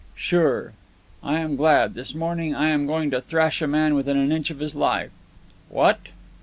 "Sure." "I am glad. This morning I am going to thrash a man within an inch of his life." "What!"